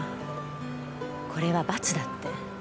これは罰だって。